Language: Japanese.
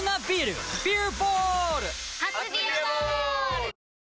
初「ビアボール」！